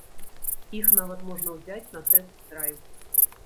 Іх нават можна ўзяць на тэст-драйв.